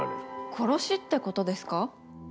殺しってことですか？